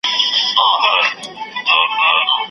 له سړي چي لاره ورکه سي ګمراه سي